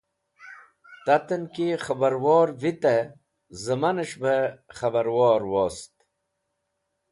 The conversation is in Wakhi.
Tatnan ki khẽbarvor vitẽ zẽmanes̃h bẽ khebarvor wost.